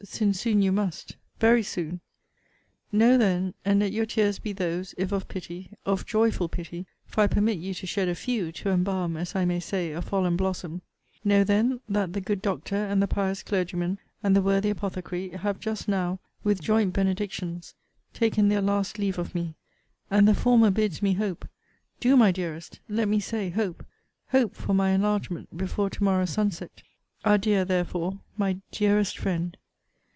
since soon you must very soon. Know then, and let your tears be those, if of pity, of joyful pity! for I permit you to shed a few, to embalm, as I may say, a fallen blossom know then, that the good doctor, and the pious clergyman, and the worthy apothecary, have just now with joint benedictions taken their last leave of me; and the former bids me hope do, my dearest, let me say hope hope for my enlargement before to morrow sun set. Adieu, therefore, my dearest friend!